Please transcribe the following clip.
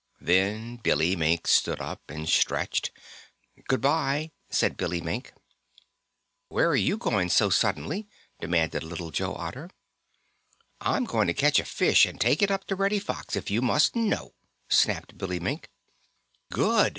Then Billy Mink stood up and stretched. "Good by," said Billy Mink. "Where are you going so suddenly?" demanded Little Joe Otter. "I'm going to catch a fish and take it up to Reddy Fox, if you must know!" snapped Billy Mink. "Good!"